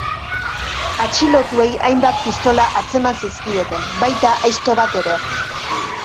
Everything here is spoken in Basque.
Atxilotuei hainbat pistola atzeman zizkieten, baita aizto bat ere.